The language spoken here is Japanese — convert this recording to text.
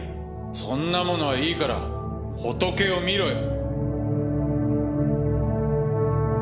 そんなものはいいからホトケをみろよ。